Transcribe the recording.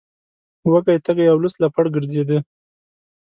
وږی تږی او لوڅ لپړ ګرځیده.